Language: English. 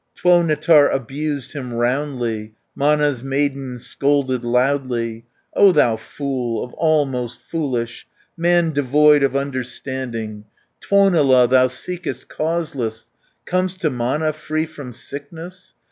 Tuonetar abused him roundly, Mana's maiden scolded loudly: "O thou fool, of all most foolish, Man devoid of understanding. Tuonela, thou seekest causeless, Com'st to Mana free from sickness!